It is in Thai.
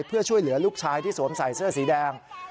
เพื่อช่วยเหลือลูกชายที่สวมใส่เสื้อสีแดง